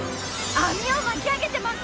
網を巻き上げてます！